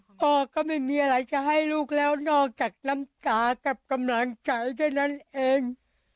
พ่อก็ไม่มีอะไรจะให้ลูกแล้วนอกจากน้ำตากับกำลังใจเท่านั้นเอง